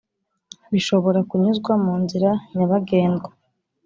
bishobora kunyuzwa mu nzira nyabagendwa